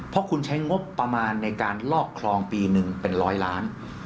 เพราะคุณใช้งบประมาณในการลอกคลองปีหนึ่งเป็นร้อยล้าน